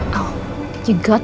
kamu harus melakukan sesuatu